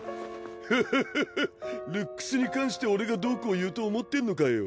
ルックスに関して俺がどうこう言うと思ってんのかよ。